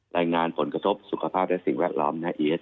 รายงานผลกระทบสุขภาพและสิ่งแวดล้อม